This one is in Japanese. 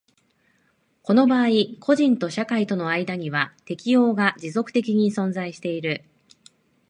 この場合個人と社会との間には適応が持続的に存在している。